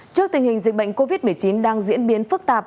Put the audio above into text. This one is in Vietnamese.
trước tình hình dịch bệnh covid một mươi chín đang diễn biến phức tạp